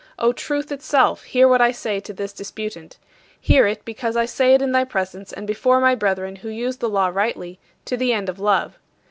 O Truth itself, hear what I say to this disputant. Hear it, because I say it in thy presence and before my brethren who use the law rightly to the end of love.